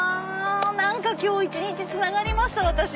今日一日つながりました私。